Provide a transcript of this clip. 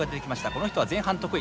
この人は前半得意。